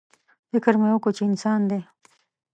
_فکر مې وکړ چې انسان دی.